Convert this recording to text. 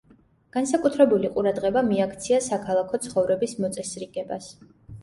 განსაკუთრებული ყურადღება მიაქცია საქალაქო ცხოვრების მოწესრიგებას.